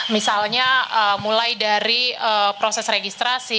misalnya mulai dari proses registrasi